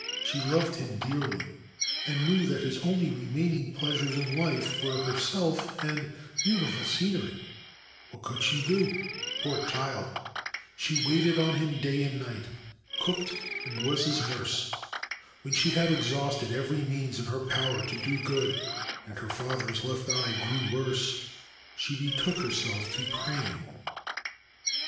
She loved him dearly, and knew that his only remaining pleasures in life were herself and beautiful scenery> What could she do, poor child ? She waited on him day and night, cooked, and was his nurse. When she had exhausted every means in her power to do good, and her father's left eye grew worse, she betook herself to praying.